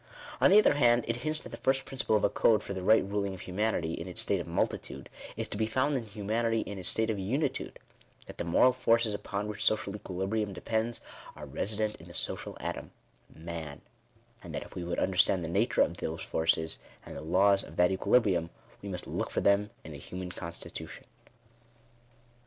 On the other hand it hints that the first principle of a code for the right ruling of humanity in its state of multitude, is to be found in humanity in its state of unitude — that the moral forces upon which social equilibrium depends, are resi dent in the social atani— nx&n ; and that if we would under stand the nature of those forces, and the laws of that equili brium, we must look for them in the human constitution.